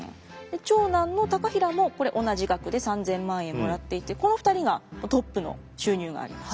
長男の高平も同じ額で３，０００万円もらっていてこの２人がトップの収入があります。